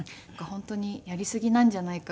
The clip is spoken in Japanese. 本当にやりすぎなんじゃないかぐらい。